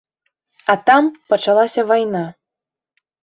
А там пачалася вайна.